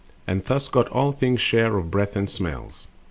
And thus got all things share of breath and smells.